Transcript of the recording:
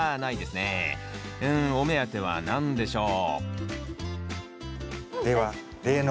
うんお目当ては何でしょう？